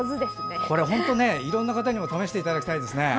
いろんな方にも試していただきたいですね。